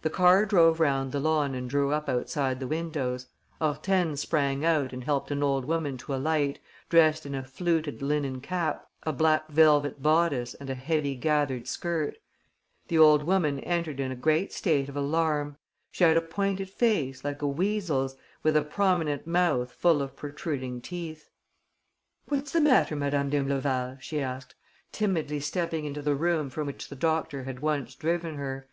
The car drove round the lawn and drew up outside the windows. Hortense sprang out and helped an old woman to alight, dressed in a fluted linen cap, a black velvet bodice and a heavy gathered skirt. The old woman entered in a great state of alarm. She had a pointed face, like a weasel's, with a prominent mouth full of protruding teeth. "What's the matter, Madame d'Imbleval?" she asked, timidly stepping into the room from which the doctor had once driven her.